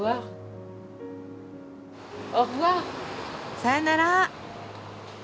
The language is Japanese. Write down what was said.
さよなら。